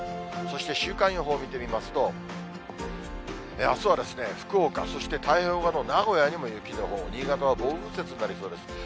そして週間予報、見てみますと、あすは福岡、そして太平洋側の名古屋にも雪の予報、新潟は暴風雪になりそうです。